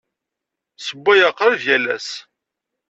Ssewwayeɣ qrib yal ass.